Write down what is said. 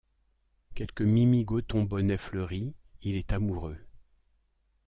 Quelque mimi-goton-bonnet-fleuri! il est amoureux.